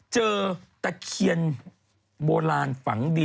ตะเคียนโบราณฝังดิน